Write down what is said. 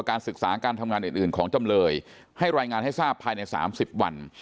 การศึกษาการทำงานอื่นของจำเลยให้รายงานให้ทราบภายใน๓๐วัน